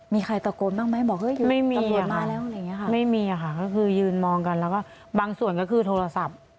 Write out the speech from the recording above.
มีใครตะโกนบ้างไหมบอกไม่มีค่ะไม่มีค่ะก็คือยืนมองกันแล้วก็บางส่วนก็คือโทรศัพท์